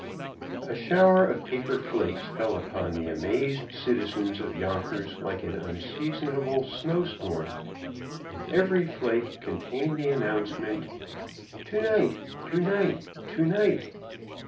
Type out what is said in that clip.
_ A shower of paper flakes fell upon the amazed citizens of Yonkers like an unseasonable snow storm, and every flake contained the announcement: TO=NIGHT! TO=NIGHT! TO=NIGHT!